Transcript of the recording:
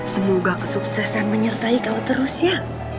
semoga kesuksesan menyertai kau terus ya